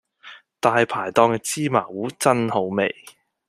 大排檔嘅芝麻糊真好味